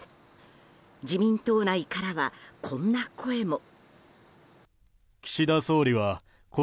自民党内からは、こんな声も。